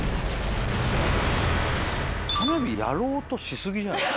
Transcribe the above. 花火やろうとし過ぎじゃない？